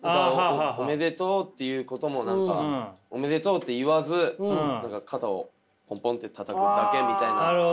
「おめでとう」って言うことも何か「おめでとう」って言わず何か肩をポンポンってたたくだけみたいな。